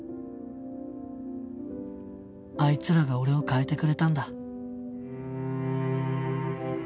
あいつらが俺を変えてくれたんだ